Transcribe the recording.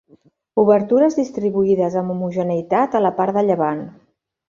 Obertures distribuïdes amb homogeneïtat a la part de llevant.